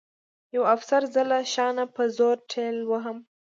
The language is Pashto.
یوه افسر زه له شا نه په زور ټېل وهلم